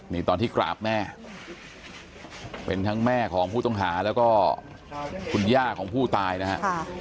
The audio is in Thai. นี่ตอนที่กราบแม่เป็นทั้งแม่ของผู้ต้องหาแล้วก็คุณย่าของผู้ตายนะฮะ